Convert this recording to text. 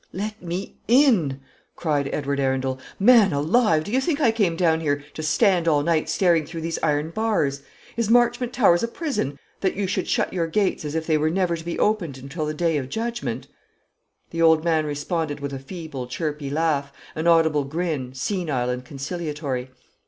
"Let me in!" cried Edward Arundel. "Man alive! do you think I came down here to stand all night staring through these iron bars? Is Marchmont Towers a prison, that you shut your gates as if they were never to be opened until the Day of Judgment?" The old man responded with a feeble, chirpy laugh, an audible grin, senile and conciliatory.